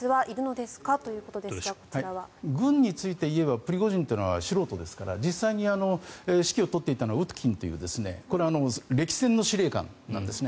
軍についていえばプリゴジン氏というのは素人ですから実際に指揮を執っていたのは歴戦の司令官なんですね。